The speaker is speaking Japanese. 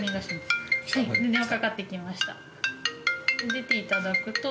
出ていただくと。